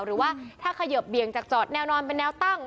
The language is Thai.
หรือว่าถ้าเขยิบเบี่ยงจากจอดแนวนอนเป็นแนวตั้ง